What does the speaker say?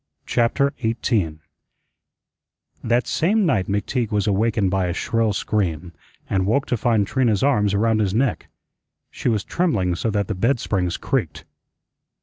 CHAPTER 18 That same night McTeague was awakened by a shrill scream, and woke to find Trina's arms around his neck. She was trembling so that the bed springs creaked.